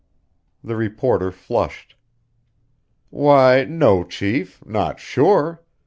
The reporter flushed. "Why, no, chief; not sure.